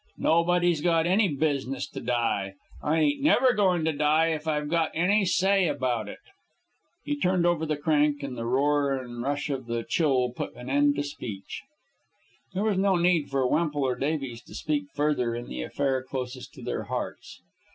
Nobody's got any business to die. I ain't never goin' to die, if I've got any say about it." He turned over the crank, and the roar and rush of the Chill put an end to speech. There was no need for Wemple or Davies to speak further in the affair closest to their hearts.